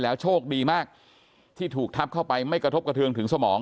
โชคดีมากที่ถูกทับเข้าไปไม่กระทบกระเทืองถึงสมอง